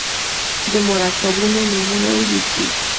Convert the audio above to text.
د مرکبونو نومونه ولیکئ.